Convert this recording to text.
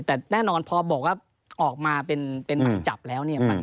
แต่แน่นอนพอบอกว่าออกมาเป็นหมายจับแล้วเนี่ย